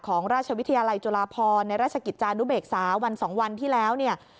ของราชวิทยาลัยจุฬาพรในราชกิจจานุเบกษาวัน๒วันที่แล้วเนี่ย